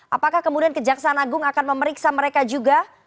apakah kemudian kejaksaan agung akan memeriksa mereka juga